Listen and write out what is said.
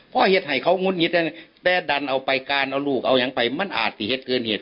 เพราะเหตุให้เขางุดหงิดแต่ดันเอาไปการเอาลูกเอายังไปมันอาจติเหตุเกินเหตุ